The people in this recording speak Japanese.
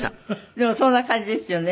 でもそんな感じですよね。